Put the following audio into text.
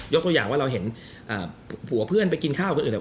ตัวอย่างว่าเราเห็นผัวเพื่อนไปกินข้าวคนอื่นเนี่ย